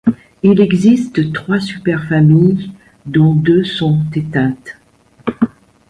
Il existe trois super-familles dont deux sont éteintes.